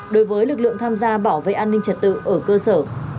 đối với lực lượng tham gia bảo vệ an ninh trật tự ở cơ sở